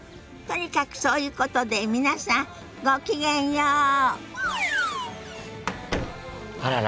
とにかくそういうことで皆さんごきげんよう。